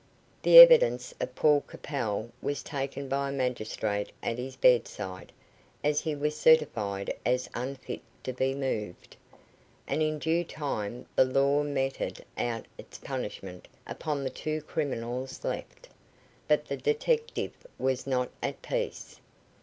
The evidence of Paul Capel was taken by a magistrate at his bedside, as he was certified as unfit to be moved; and in due time the law meted out its punishment upon the two criminals left; but the detective was not at peace.